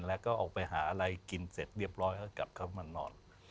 แล้วก็ออกไปหาอะไรกินเสร็จเรียบร้อยก็กลับเข้ามานอน